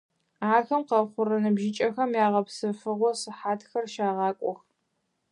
Ахэм къэхъурэ ныбжьыкӀэхэм ягъэпсэфыгъо сыхьатхэр щагъакӀох.